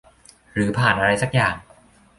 หรือผ่านอะไรซักอย่าง